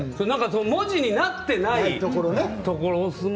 文字になってないところお相撲